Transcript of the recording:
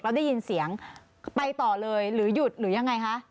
แล้วได้ยินเสียงไปต่อเลยหรือหยุดหรือยังไงคะ